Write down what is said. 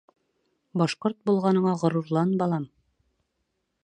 Башҡорт булғаныңа ғорурлан, балам!